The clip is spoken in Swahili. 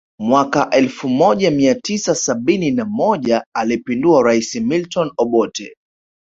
Mwaka elfu moja Mia tisa sabini na moja alimpindua rais Milton Obote